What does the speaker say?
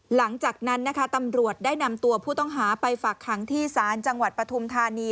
หลังจากนั้นนะคะตำรวจได้นำตัวผู้ต้องหาไปฝากขังที่ศาลจังหวัดปฐุมธานี